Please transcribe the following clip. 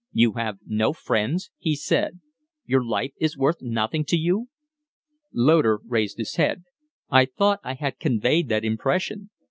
"You have no friends?" he said. "Your life is worth nothing to you?" Loder raised his head. "I thought I had conveyed that impression."